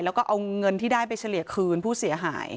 แล้วก็เอาเงินที่ได้ไปเฉลี่ยคืนผู้เสียหาย